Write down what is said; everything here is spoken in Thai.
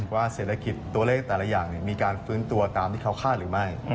ว่าเศรษฐกิจตัวเลขแต่ละอย่างมีการฟื้นตัวตามที่เขาคาดหรือไม่